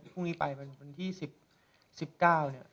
พรุ่งนี้ไปวันที่๑๙เนี่ย